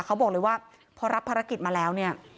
เขาบอกเลยว่าพอรับภารกิจมาแล้วเนี่ย